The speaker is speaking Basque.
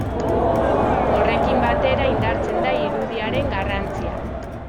Horrekin batera indartzen da irudiaren garrantzia.